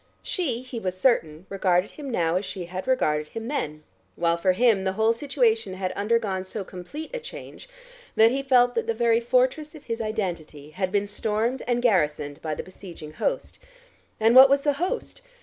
She, he was certain, regarded him now as she had regarded him then, while for him the whole situation had undergone so complete a change, that he felt that the very fortress of his identity had been stormed and garrisoned by the besieging host. And what was the host?